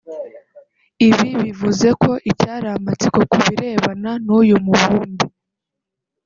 Ibi bivuze ko icyari amatsiko ku birebana n’uyu mubumbe